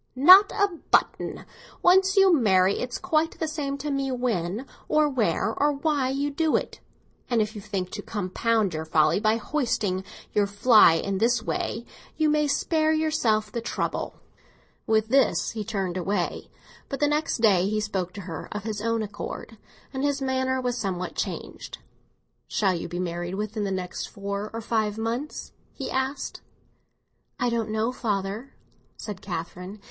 "Not a button. Once you marry, it's quite the same to me when or where or why you do it; and if you think to compound for your folly by hoisting your flag in this way, you may spare yourself the trouble." With this he turned away. But the next day he spoke to her of his own accord, and his manner was somewhat changed. "Shall you be married within the next four or five months?" he asked. "I don't know, father," said Catherine.